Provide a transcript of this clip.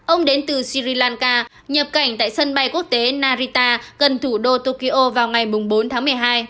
ông đến từ syri lanka nhập cảnh tại sân bay quốc tế narita gần thủ đô tokyo vào ngày bốn tháng một mươi hai